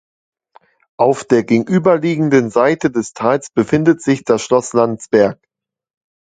Auf der gegenüberliegenden Seite des Tals befindet sich das Schloss Landsberg.